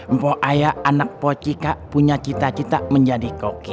mpok ayah anak pocika punya cita cita menjadi koki